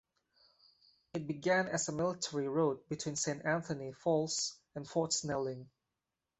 It began as a military road between Saint Anthony Falls and Fort Snelling.